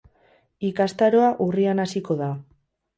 Ikastaroa urrian hasiko da.